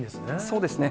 そうですね。